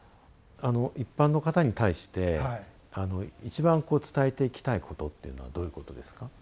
一般の方に対して一番伝えていきたいことっていうのはどういうことですか？